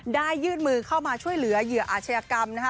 ยื่นมือเข้ามาช่วยเหลือเหยื่ออาชญากรรมนะคะ